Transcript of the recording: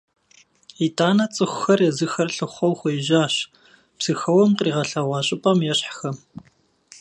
ИтӀанэ цӀыхухэр езыхэр лъыхъуэу хуежьащ Псыхэуэм къригъэлъэгъуа щӀыпӀэм ещхьхэм.